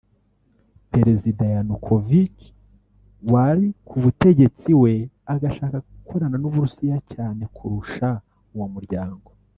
Perezida Yanukovych wari ku butegetsi we agashaka gukorana n’u Burusiya cyane kurusha uwo muryango